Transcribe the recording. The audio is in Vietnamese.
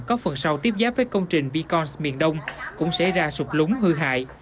có phần sau tiếp giáp với công trình beacons miền đông cũng xảy ra sụp lúng hư hại